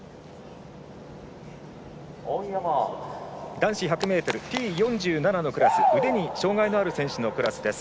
男子１００ｍＴ４７のクラス腕に障がいのある選手のクラスです。